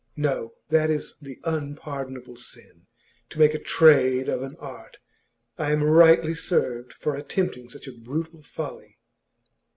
No, that is the unpardonable sin! To make a trade of an art! I am rightly served for attempting such a brutal folly.